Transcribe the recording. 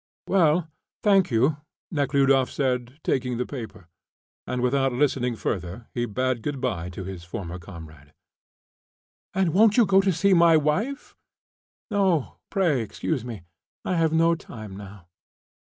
"Well, thank you," Nekhludoff said, taking the paper, and without listening further he bade good day to his former comrade. "And won't you go in to see my wife?" "No, pray excuse me; I have no time now."